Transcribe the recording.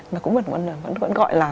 nó cũng vẫn gọi là